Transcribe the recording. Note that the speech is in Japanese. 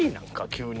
急に。